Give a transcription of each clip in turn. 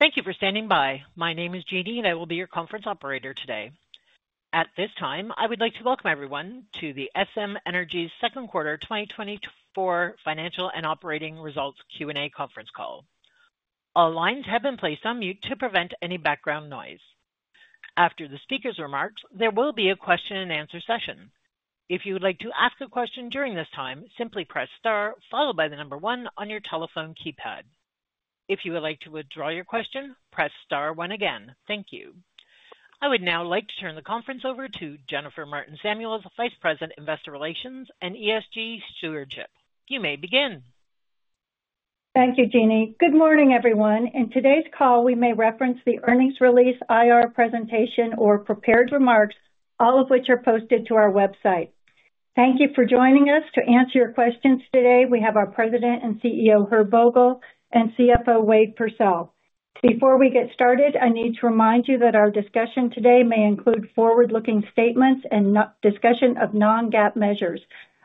Thank you for standing by. My name is Jeannie, and I will be your conference operator today. At this time, I would like to welcome everyone to the SM Energy Second Quarter 2024 Financial and Operating Results Q&A conference call. All lines have been placed on mute to prevent any background noise. After the speaker's remarks, there will be a question-and-answer session. If you would like to ask a question during this time, simply press star, followed by the number one on your telephone keypad. If you would like to withdraw your question, press star one again. Thank you. I would now like to turn the conference over to Jennifer Martin Samuels, Vice President, Investor Relations and ESG Stewardship. You may begin. Thank you, Jeannie. Good morning, everyone. In today's call, we may reference the earnings release, IR presentation, or prepared remarks, all of which are posted to our website. Thank you for joining us. To answer your questions today, we have our President and CEO, Herb Vogel, and CFO, Wade Pursell. Before we get started, I need to remind you that our discussion today may include forward-looking statements and discussion of non-GAAP measures.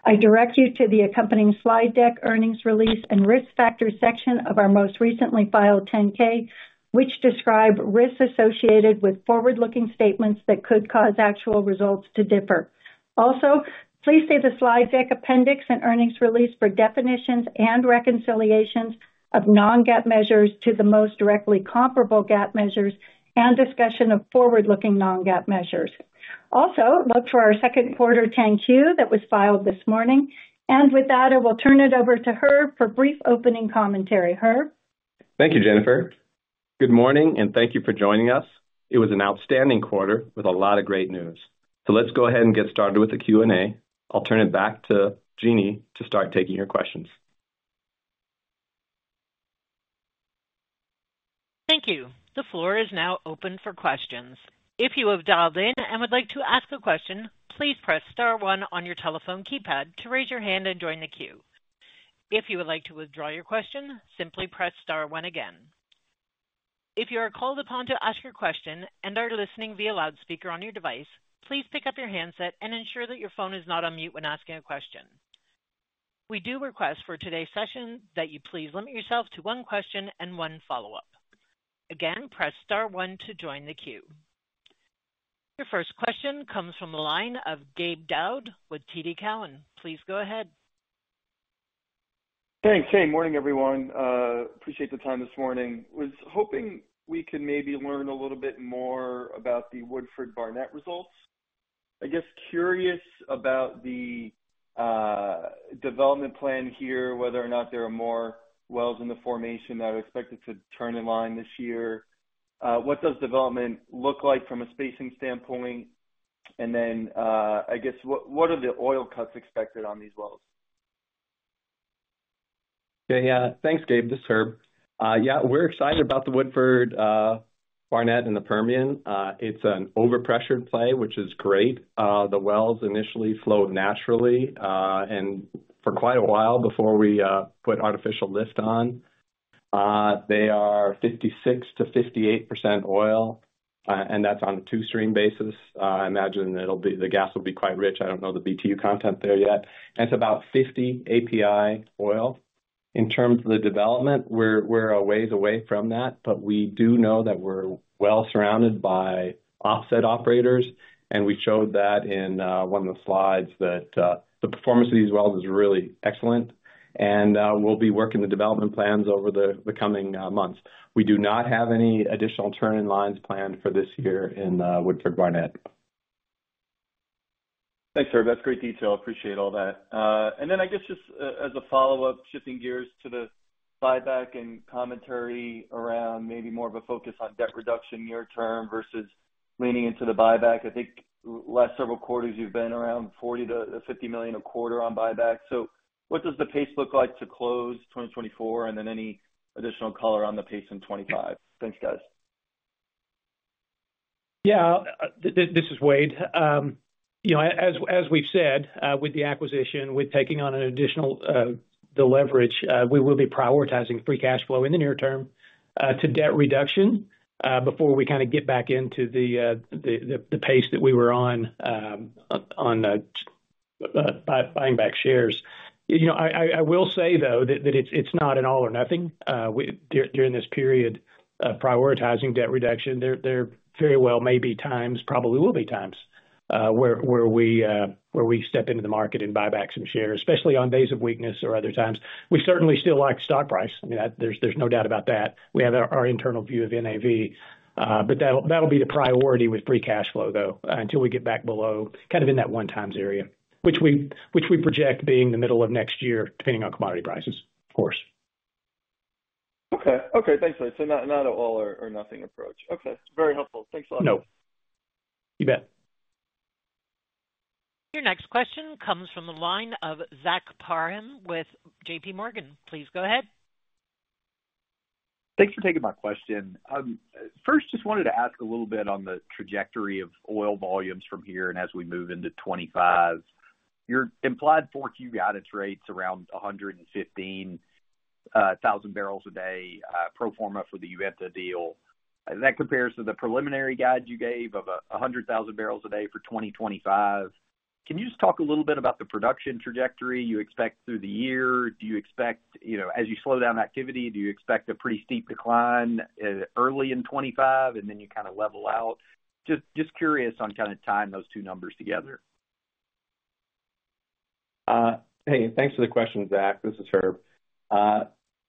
I direct you to the accompanying slide deck, earnings release, and risk factors section of our most recently filed 10-K, which describe risks associated with forward-looking statements that could cause actual results to differ. Also, please see the slide deck, appendix, and earnings release for definitions and reconciliations of non-GAAP measures to the most directly comparable GAAP measures and discussion of forward-looking non-GAAP measures. Also, look for our second quarter 10-Q that was filed this morning. With that, I will turn it over to Herb for brief opening commentary. Herb? Thank you, Jennifer. Good morning, and thank you for joining us. It was an outstanding quarter with a lot of great news. So, let's go ahead and get started with the Q&A. I'll turn it back to Jeannie to start taking your questions. Thank you. The floor is now open for questions. If you have dialed in and would like to ask a question, please press star one on your telephone keypad to raise your hand and join the queue. If you would like to withdraw your question, simply press star one again. If you are called upon to ask your question and are listening via loudspeaker on your device, please pick up your handset and ensure that your phone is not on mute when asking a question. We do request for today's session that you please limit yourself to one question and one follow-up. Again, press star one to join the queue. Your first question comes from the line of Gabe Daoud with TD Cowen. Please go ahead. Thanks. Hey, morning, everyone. Appreciate the time this morning. Was hoping we could maybe learn a little bit more about the Woodford-Barnett results. I guess, curious about the, development plan here, whether or not there are more wells in the formation that are expected to turn in line this year. What does development look like from a spacing standpoint? And then, I guess, what are the oil cuts expected on these wells? Yeah. Thanks, Gabe. This is Herb. Yeah, we're excited about the Woodford, Barnett, and the Permian. It's an overpressured play, which is great. The wells initially flowed naturally, and for quite a while before we put artificial lift on. They are 56%-58% oil, and that's on a two-stream basis. I imagine it'll be—the gas will be quite rich. I don't know the BTU content there yet, and it's about 50 API oil. In terms of the development, we're a ways away from that, but we do know that we're well surrounded by offset operators, and we showed that in one of the slides that the performance of these wells is really excellent. We'll be working the development plans over the coming months. We do not have any additional turn-in-lines planned for this year in Woodford-Barnett. Thanks, Herb. That's great detail. Appreciate all that. And then I guess, just as, as a follow-up, shifting gears to the buyback and commentary around maybe more of a focus on debt reduction near term versus leaning into the buyback. I think last several quarters, you've been around $40 million-$50 million a quarter on buyback. So, what does the pace look like to close 2024, and then any additional color on the pace in 2025? Thanks, guys. Yeah, this is Wade. You know, as we've said, with the acquisition, with taking on an additional the leverage, we will be prioritizing free cash flow in the near term to debt reduction before we kinda get back into the pace that we were on, on buying back shares. You know, I will say, though, that it's not an all or nothing. We during this period of prioritizing debt reduction, there very well may be times, probably will be times, where we step into the market and buy back some shares, especially on days of weakness or other times. We certainly still like stock price. I mean, there's no doubt about that. We have our internal view of NAV, but that'll be the priority with free cash flow, though, until we get back below, kind of in that one times area, which we project being the middle of next year, depending on commodity prices, of course. Okay. Okay, thanks, Wade. So not an all or nothing approach. Okay, very helpful. Thanks a lot. No, you bet. Your next question comes from the line of Zach Parham with J.P. Morgan. Please go ahead. Thanks for taking my question. First, just wanted to ask a little bit on the trajectory of oil volumes from here and as we move into 2025. Your implied 4Q guidance rates around 115,000 barrels a day, pro forma for the Uinta deal. As that compares to the preliminary guide you gave of, 100,000 barrels a day for 2025, can you just talk a little bit about the production trajectory you expect through the year? Do you expect, you know, as you slow down activity, do you expect a pretty steep decline, early in 2025, and then you kind of level out? Just, just curious on kind of tying those two numbers together. Hey, thanks for the question, Zach. This is Herb.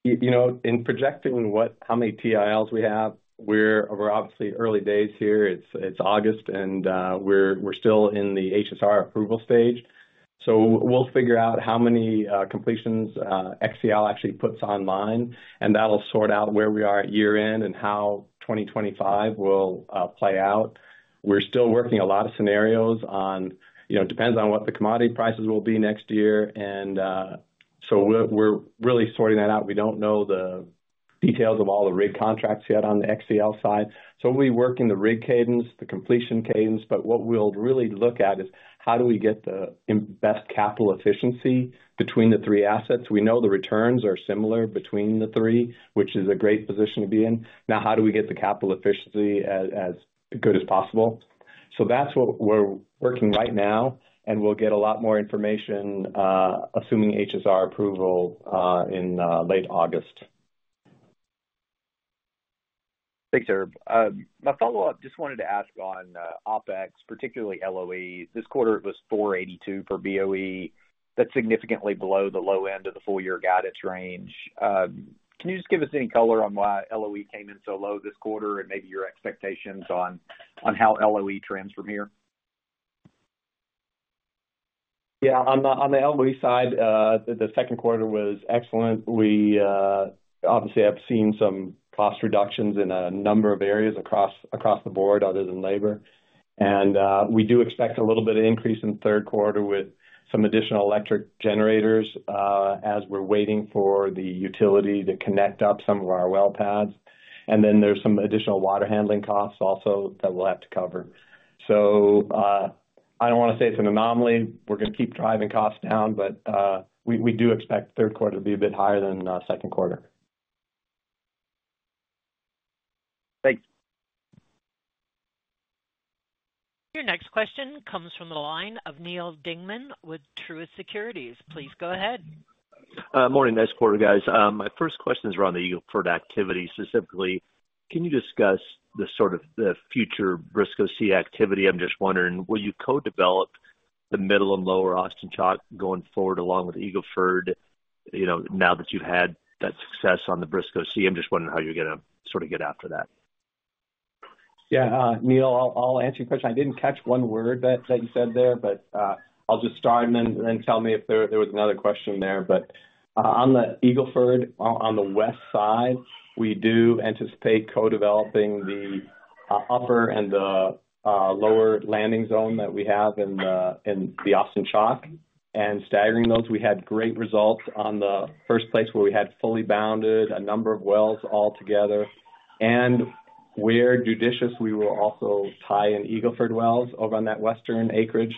You know, in projecting what—how many TILs we have, we're obviously early days here. It's August, and we're still in the HSR approval stage. So, we'll figure out how many completions XCL actually puts online, and that'll sort out where we are at year-end and how 2025 will play out. We're still working a lot of scenarios on. You know, depends on what the commodity prices will be next year. And so we're really sorting that out. We don't know the details of all the rig contracts yet on the XCL side. So we'll be working the rig cadence, the completion cadence, but what we'll really look at is how do we get the best capital efficiency between the three assets? We know the returns are similar between the three, which is a great position to be in. Now, how do we get the capital efficiency as good as possible? So that's what we're working right now, and we'll get a lot more information, assuming HSR approval, in late August. Thanks, Herb. My follow-up, just wanted to ask on OpEx, particularly LOE. This quarter, it was $4.82/BOE. That's significantly below the low end of the full-year guidance range. Can you just give us any color on why LOE came in so low this quarter and maybe your expectations on how LOE trends from here? Yeah, on the, on the LOE side, the second quarter was excellent. We obviously have seen some cost reductions in a number of areas across, across the board other than labor. And we do expect a little bit of increase in the third quarter with some additional electric generators, as we're waiting for the utility to connect up some of our well pads. And then there's some additional water handling costs also that we'll have to cover. So, I don't want to say it's an anomaly. We're going to keep driving costs down, but we do expect third quarter to be a bit higher than second quarter. Thanks. Your next question comes from the line of Neal Dingmann with Truist Securities. Please go ahead. Morning. Nice quarter, guys. My first question is around the Eagle Ford activity. Specifically, can you discuss the sort of the future Briscoe C activity? I'm just wondering, will you co-develop the Middle and Lower Austin Chalk going forward, along with Eagle Ford, you know, now that you've had that success on the Briscoe C? I'm just wondering how you're gonna sort of get after that. Yeah, Neal, I'll answer your question. I didn't catch one word that you said there, but I'll just start and then tell me if there was another question there. But on the Eagle Ford, on the west side, we do anticipate co-developing the upper and the lower landing zone that we have in the Austin Chalk, and staggering those. We had great results on the first place, where we had fully bounded a number of wells all together. And where judicious, we will also tie in Eagle Ford wells over on that western acreage.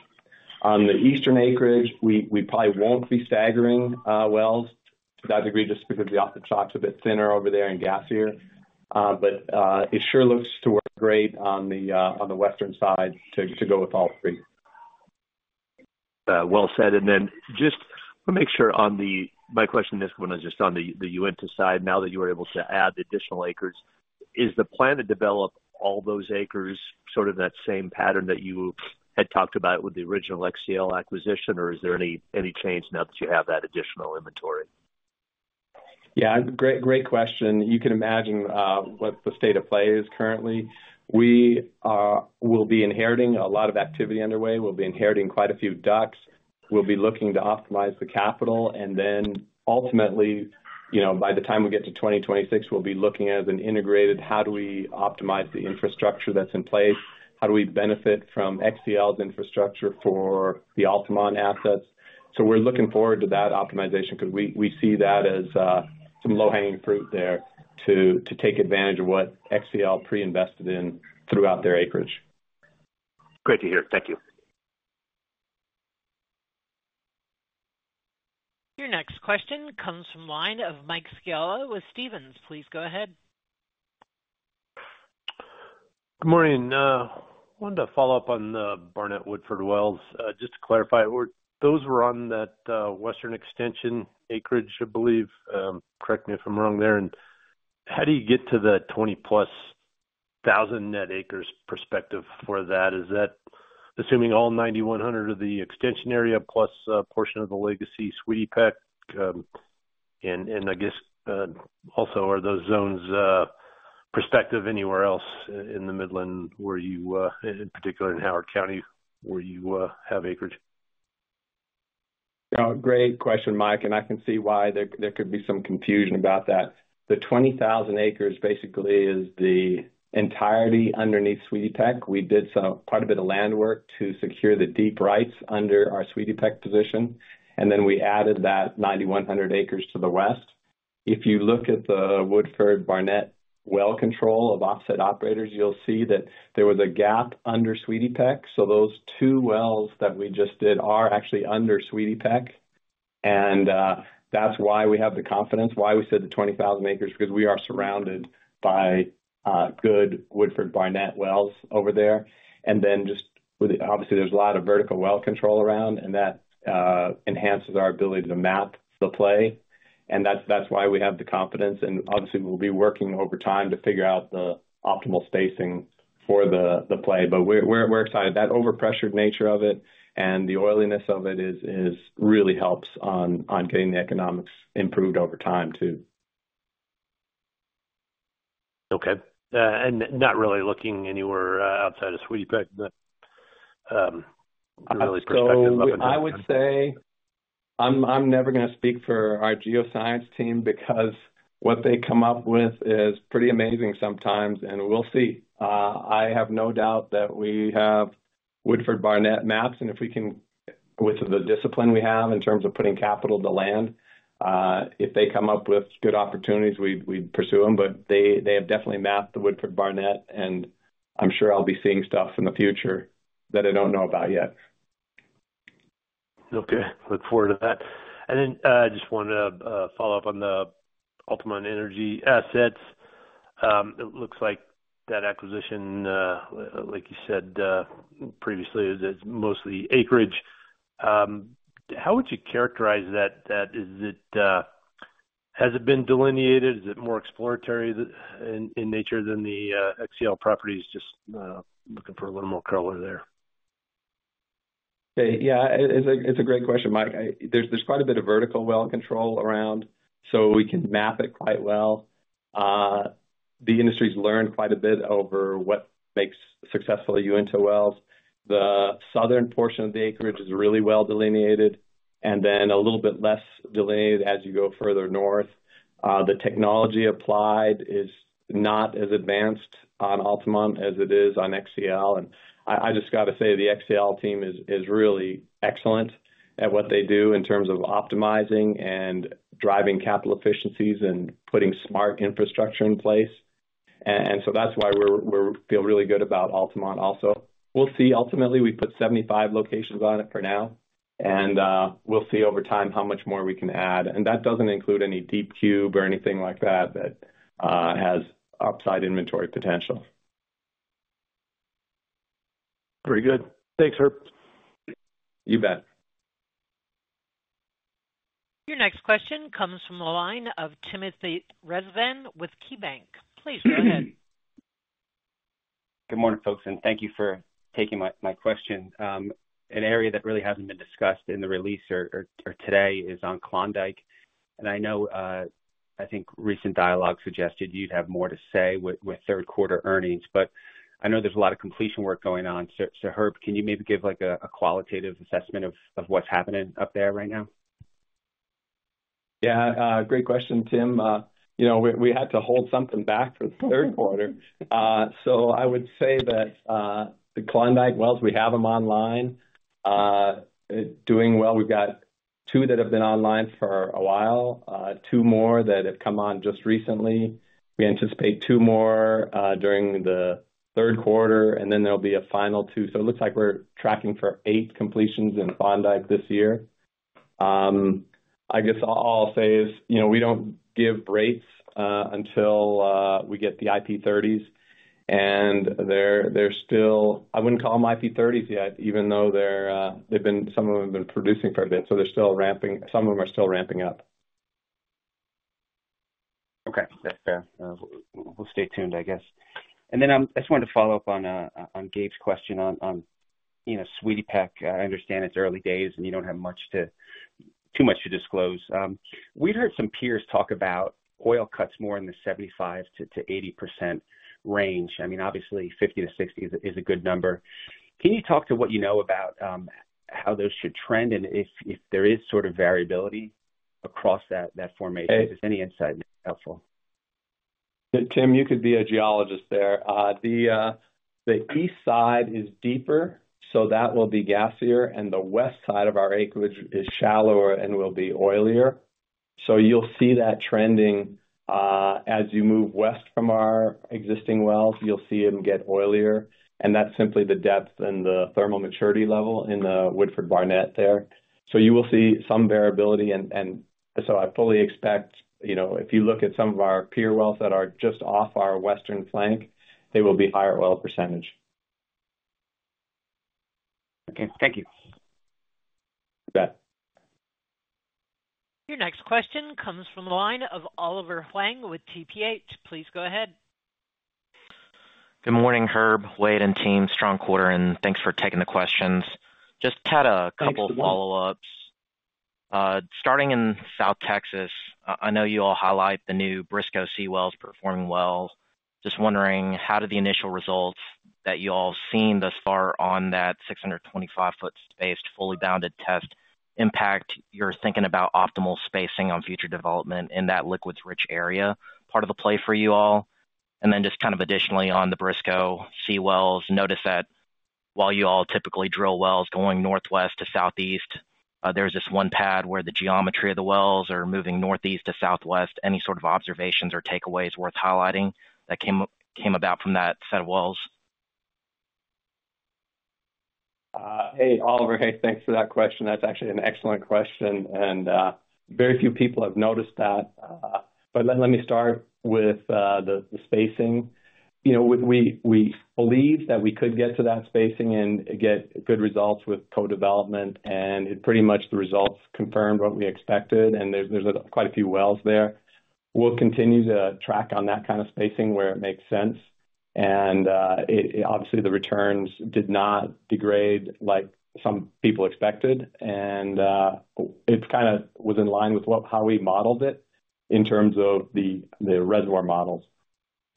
On the eastern acreage, we probably won't be staggering wells to that degree just because the Austin Chalk is a bit thinner over there and gassier. But it sure looks to work great on the western side to go with all three. Well said. And then just to make sure. My question, this one is just on the Uinta side. Now that you are able to add additional acres, is the plan to develop all those acres, sort of that same pattern that you had talked about with the original XCL acquisition? Or is there any change now that you have that additional inventory? Yeah, great, great question. You can imagine what the state of play is currently. We will be inheriting a lot of activity underway. We'll be inheriting quite a few DUCs. We'll be looking to optimize the capital, and then ultimately, you know, by the time we get to 2026, we'll be looking at an integrated, how do we optimize the infrastructure that's in place? How do we benefit from XCL's infrastructure for the Altamont assets? So, we're looking forward to that optimization because we see that as some low-hanging fruit there, to take advantage of what XCL pre-invested in throughout their acreage. Great to hear. Thank you. Your next question comes from the line of Mike Scialla with Stephens. Please go ahead. Good morning. I wanted to follow up on the Barnett-Woodford Wells. Just to clarify, those were on that western extension acreage, I believe, correct me if I'm wrong there. And how do you get to the 20,000+ net acres perspective for that? Is that assuming all 9,100 of the extension area plus a portion of the legacy Sweetie Peck? And, I guess, also, are those zones prospective anywhere else in the Midland, where you, in particular in Howard County, where you, have acreage? Oh, great question, Mike, and I can see why there, there could be some confusion about that. The 20,000 acres basically is the entirety underneath Sweetie Peck. We did some, quite a bit of land work to secure the deep rights under our Sweetie Peck position, and then we added that 9,100 acres to the west. If you look at the Woodford-Barnett well control of offset operators, you'll see that there was a gap under Sweetie Peck. So those two wells that we just did are actually under Sweetie Peck. And that's why we have the confidence, why we said the 20,000 acres, because we are surrounded by good Woodford-Barnett wells over there. And then just with obviously, there's a lot of vertical well control around, and that enhances our ability to map the play. And that's, that's why we have the confidence. And obviously, we'll be working over time to figure out the optimal spacing for the play. But we're excited. That overpressured nature of it and the oiliness of it is really helps on getting the economics improved over time, too. Okay. And not really looking anywhere outside of Sweetie Peck, but really perspective? So I would say, I'm never gonna speak for our geoscience team because what they come up with is pretty amazing sometimes, and we'll see. I have no doubt that we have Woodford-Barnett maps, and if we can, with the discipline we have, in terms of putting capital to land, if they come up with good opportunities, we pursue them. But they have definitely mapped the Woodford-Barnett, and I'm sure I'll be seeing stuff in the future that I don't know about yet. Okay, look forward to that. And then, I just wanted to follow up on the Altamont Energy assets. It looks like that acquisition, like you said, previously, is mostly acreage. How would you characterize that, that? Is it, has it been delineated? Is it more exploratory in, in nature than the XCL properties? Just, looking for a little more color there. Yeah, it's a, it's a great question, Mike. There's, there's quite a bit of vertical well control around, so we can map it quite well. The industry's learned quite a bit over what makes successful Uinta wells. The southern portion of the acreage is really well delineated and then a little bit less delineated as you go further north. The technology applied is not as advanced on Altamont as it is on XCL. And I, I just got to say, the XCL team is, is really excellent at what they do in terms of optimizing and driving capital efficiencies and putting smart infrastructure in place. And, and so that's why we're, we're feel really good about Altamont also. We'll see. Ultimately, we put 75 locations on it for now, and we'll see over time how much more we can add. That doesn't include any deep cube or anything like that, that has upside inventory potential. Very good. Thanks, Herb. You bet. Your next question comes from the line of Tim Rezvan with KeyBanc Capital Markets. Please go ahead. Good morning, folks, and thank you for taking my, my question. An area that really hasn't been discussed in the release or today is on Klondike. And I know, I think recent dialogue suggested you'd have more to say with third quarter earnings, but I know there's a lot of completion work going on. So, Herb, can you maybe give, like, a qualitative assessment of what's happening up there right now? Yeah, great question, Tim. You know, we had to hold something back for the third quarter. So I would say that, the Klondike wells, we have them online, doing well. We've got two that have been online for a while, two more that have come on just recently. We anticipate two more, during the third quarter, and then there'll be a final two. So it looks like we're tracking for eight completions in Klondike this year. I guess all I'll say is, you know, we don't give rates, until we get the IP 30s, and they're still. I wouldn't call them IP 30s yet, even though they've been, some of them have been producing for a bit, so they're still ramping, some of them are still ramping up. Okay. Fair, fair. We'll stay tuned, I guess. And then I just wanted to follow up on Gabe's question on, you know, Sweetie Peck. I understand it's early days and you don't have much, too much to disclose. We've heard some peers talk about oil cuts more in the 75%-80% range. I mean, obviously 50-60 is a good number. Can you talk to what you know about how those should trend and if there is sort of variability across that formation? Just any insight is helpful. Tim, you could be a geologist there. The east side is deeper, so that will be gassier, and the west side of our acreage is shallower and will be oilier. So you'll see that trending as you move west from our existing wells, you'll see it get oilier, and that's simply the depth and the thermal maturity level in the Woodford-Barnett there. So you will see some variability and so I fully expect, you know, if you look at some of our peer wells that are just off our western flank, they will be higher oil percentage. Okay, thank you. You bet. Your next question comes from the line of Oliver Huang with TPH. Please go ahead. Good morning, Herb, Wade, and team. Strong quarter and thanks for taking the questions. Thanks. Just had a couple follow-ups. Starting in South Texas, I know you all highlight the new Briscoe C wells performing well. Just wondering, how do the initial results that you all have seen thus far on that 625-foot spaced, fully bounded test impact your thinking about optimal spacing on future development in that liquids-rich area, part of the play for you all? And then just kind of additionally, on the Briscoe C wells, notice that while you all typically drill wells going northwest to southeast, there's this one pad where the geometry of the wells are moving northeast to southwest. Any sort of observations or takeaways worth highlighting that came about from that set of wells? Hey, Oliver. Hey, thanks for that question. That's actually an excellent question, and very few people have noticed that. But let me start with the spacing. You know, we believe that we could get to that spacing and get good results with co-development, and pretty much the results confirmed what we expected, and there's quite a few wells there. We'll continue to track on that kind of spacing where it makes sense, and obviously, the returns did not degrade like some people expected, and it kind of was in line with what, how we modeled it in terms of the reservoir models.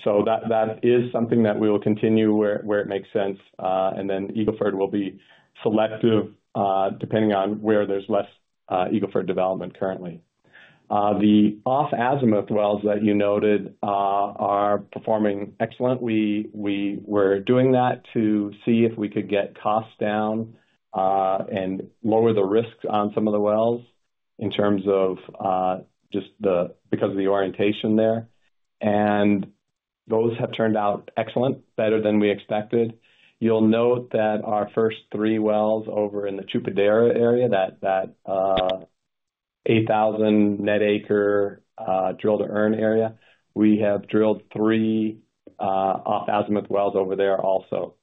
So that is something that we will continue where it makes sense, and then Eagle Ford will be selective, depending on where there's less Eagle Ford development currently. The off-azimuth wells that you noted are performing excellent. We were doing that to see if we could get costs down and lower the risks on some of the wells in terms of just the. Because of the orientation there, and those have turned out excellent, better than we expected. You'll note that our first three wells over in the Chupadera area, 8000 net acre drill to earn area, we have drilled three off-azimuth wells over there also.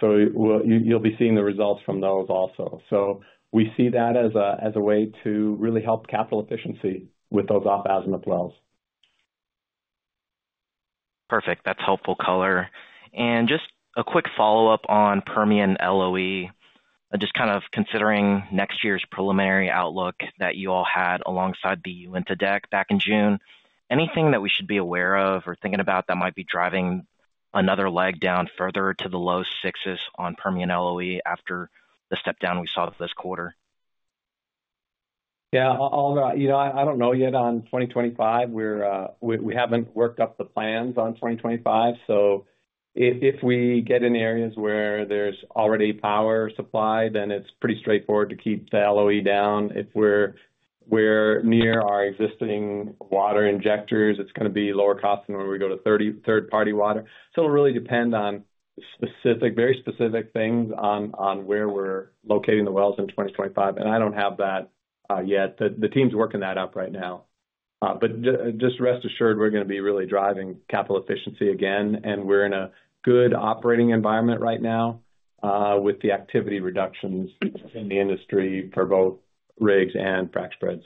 So we'll. You'll be seeing the results from those also. So we see that as a way to really help capital efficiency with those off-azimuth wells. Perfect. That's helpful color. Just a quick follow-up on Permian LOE. Just kind of considering next year's preliminary outlook that you all had alongside the Uinta deck back in June, anything that we should be aware of or thinking about that might be driving another leg down further to the low sixes on Permian LOE after the step down we saw this quarter? Yeah, Oliver, you know, I don't know yet on 2025. We're, we haven't worked up the plans on 2025, so if we get in areas where there's already power supply, then it's pretty straightforward to keep the LOE down. If we're near our existing water injectors, it's gonna be lower cost than when we go to third-party water. So, it'll really depend on specific, very specific things on where we're locating the wells in 2025, and I don't have that yet. The team's working that up right now. But just rest assured, we're gonna be really driving capital efficiency again, and we're in a good operating environment right now with the activity reductions in the industry for both rigs and frac spreads.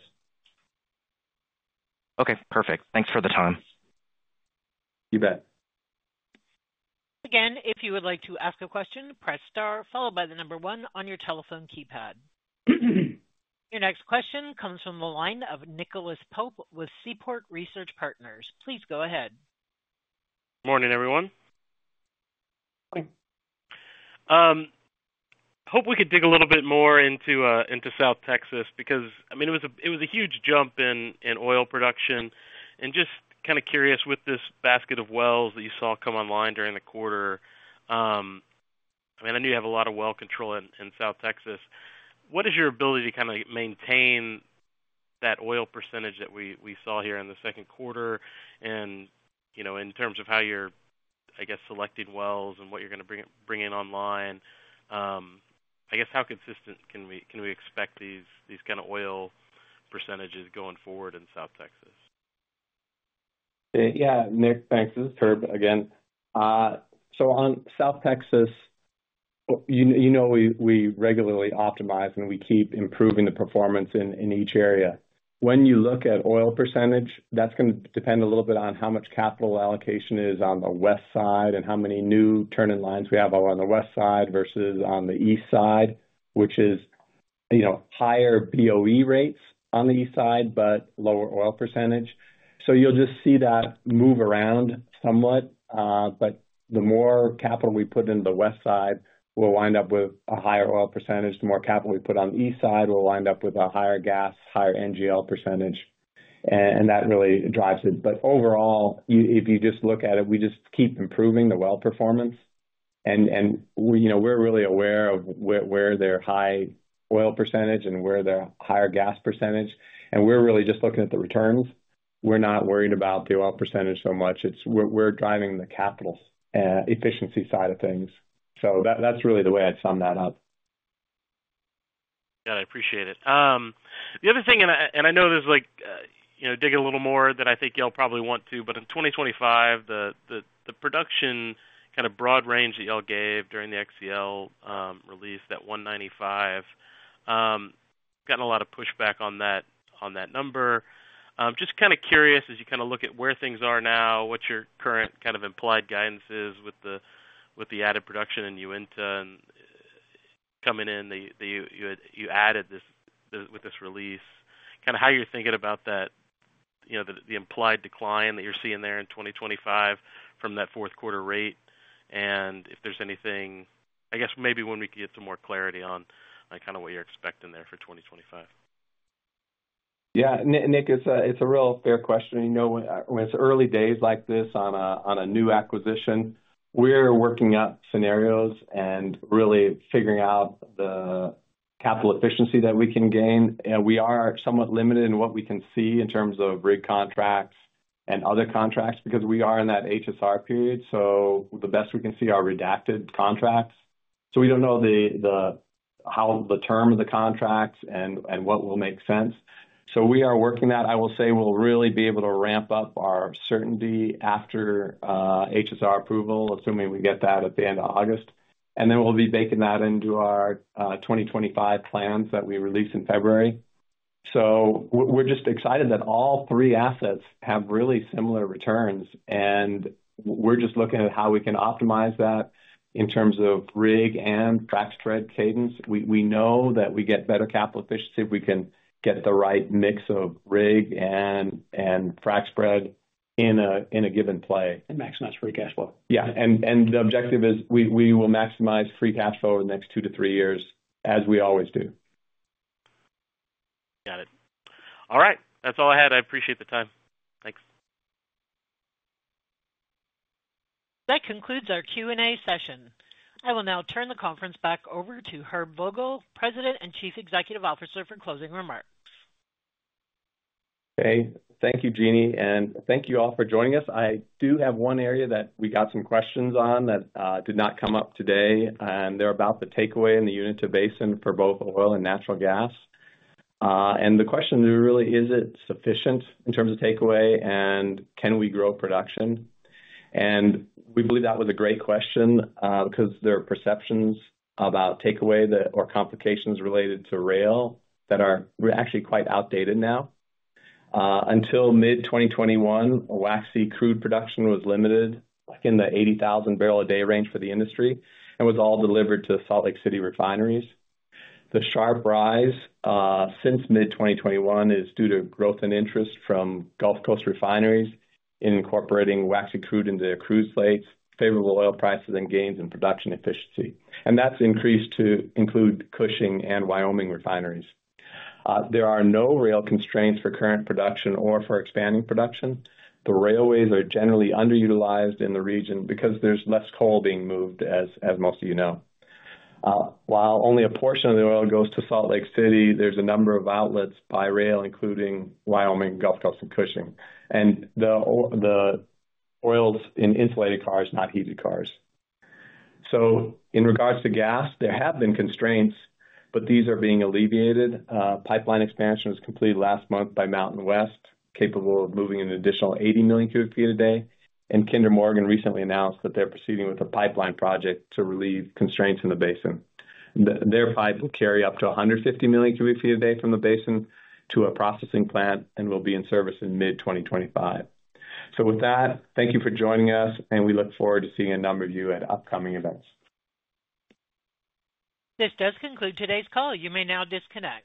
Okay, perfect. Thanks for the time. You bet. Again, if you would like to ask a question, press star, followed by the number one on your telephone keypad. Your next question comes from the line of Nicholas Pope with Seaport Research Partners. Please go ahead. Morning, everyone. Morning. Hope we could dig a little bit more into South Texas, because, I mean, it was a huge jump in oil production. And just kind of curious, with this basket of wells that you saw come online during the quarter, I mean, I know you have a lot of well control in South Texas. What is your ability to kind of maintain that oil percentage that we saw here in the second quarter? And, you know, in terms of how you're, I guess, selecting wells and what you're gonna bring in online, I guess, how consistent can we expect these kind of oil percentages going forward in South Texas? Yeah, Nick, thanks. This is Herb again. So on South Texas, you know, we regularly optimize, and we keep improving the performance in each area. When you look at oil percentage, that's gonna depend a little bit on how much capital allocation is on the west side and how many new turning lines we have over on the west side versus on the east side, which is, you know, higher BOE rates on the east side, but lower oil percentage. So you'll just see that move around somewhat, but the more capital we put in the west side, we'll wind up with a higher oil percentage. The more capital we put on the east side, we'll wind up with a higher gas, higher NGL percentage, and that really drives it. But overall, if you just look at it, we just keep improving the well performance. And, you know, we're really aware of where their high oil percentage and where their higher gas percentage, and we're really just looking at the returns. We're not worried about the oil percentage so much. It's we're driving the capital efficiency side of things. So that's really the way I'd sum that up. Yeah, I appreciate it. The other thing, and I know there's like, you know, dig a little more than I think you'll probably want to, but in 2025, the production kind of broad range that y'all gave during the XCL release, that 195 gotten a lot of pushback on that, on that number. Just kind of curious, as you kind of look at where things are now, what your current kind of implied guidance is with the added production in Uinta and coming in, you added this with this release, kind of how you're thinking about that, you know, the implied decline that you're seeing there in 2025 from that fourth quarter rate, and if there's anything, I guess maybe when we can get some more clarity on, like, kind of what you're expecting there for 2025. Yeah, Nick, it's a real fair question. You know, when it's early days like this on a new acquisition, we're working out scenarios and really figuring out the capital efficiency that we can gain. We are somewhat limited in what we can see in terms of rig contracts and other contracts because we are in that HSR period, so the best we can see are redacted contracts. So we don't know how the term of the contracts and what will make sense. So we are working that. I will say we'll really be able to ramp up our certainty after HSR approval, assuming we get that at the end of August, and then we'll be baking that into our 2025 plans that we released in February. So we're just excited that all three assets have really similar returns, and we're just looking at how we can optimize that in terms of rig and frac spread cadence. We know that we get better capital efficiency if we can get the right mix of rig and frac spread in a given play. Maximize free cash flow. Yeah, and the objective is we will maximize free cash flow over the next 2-3 years, as we always do. Got it. All right, that's all I had. I appreciate the time. Thanks. That concludes our Q&A session. I will now turn the conference back over to Herb Vogel, President and Chief Executive Officer, for closing remarks. Okay. Thank you, Jeannie, and thank you all for joining us. I do have one area that we got some questions on that did not come up today, and they're about the takeaway in the Uinta Basin for both oil and natural gas. And the question really is it sufficient in terms of takeaway and can we grow production? And we believe that was a great question because there are perceptions about takeaway that or complications related to rail that are were actually quite outdated now. Until mid-2021, waxy crude production was limited, like in the 80,000 barrel a day range for the industry, and was all delivered to Salt Lake City refineries. The sharp rise since mid-2021 is due to growth in interest from Gulf Coast refineries in incorporating waxy crude into their crude slates, favourable oil prices and gains in production efficiency, and that's increased to include Cushing and Wyoming refineries. There are no rail constraints for current production or for expanding production. The railways are generally underutilized in the region because there's less coal being moved, as most of you know. While only a portion of the oil goes to Salt Lake City, there's a number of outlets by rail, including Wyoming, Gulf Coast, and Cushing. And the oil's in insulated cars, not heated cars. So in regards to gas, there have been constraints, but these are being alleviated. Pipeline expansion was completed last month by MountainWest, capable of moving an additional 80 million cubic feet a day, and Kinder Morgan recently announced that they're proceeding with a pipeline project to relieve constraints in the basin. Their pipe will carry up to 150 million cubic feet a day from the basin to a processing plant and will be in service in mid-2025. So with that, thank you for joining us, and we look forward to seeing a number of you at upcoming events. This does conclude today's call. You may now disconnect.